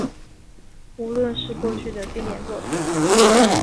无论是过去的经典作品